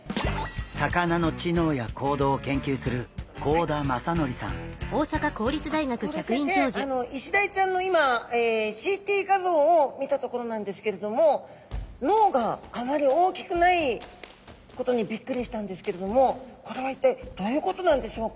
魚の知能や行動を研究する幸田先生イシダイちゃんの今ＣＴ画像を見たところなんですけれども脳があまり大きくないことにビックリしたんですけれどもこれは一体どういうことなんでしょうか？